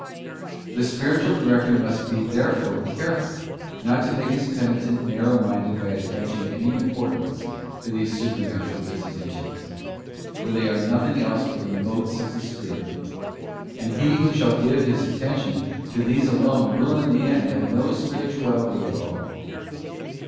The spiritual director must be therefore careful not to make his penitent narrow minded by attaching any import ance to these supernatural visitations; for they are nothing else but the motes of the Spirit, and he who shall give his attention to these alone will in the end have no spirituality at all.